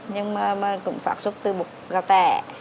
nhưng mà cũng phát xuất từ bột gạo tẻ